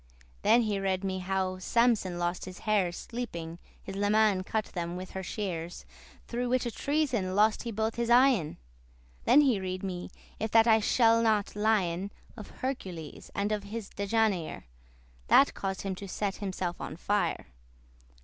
Then read he me how Samson lost his hairs Sleeping, his leman cut them with her shears, Through whiche treason lost he both his eyen. Then read he me, if that I shall not lien, Of Hercules, and of his Dejanire, That caused him to set himself on fire.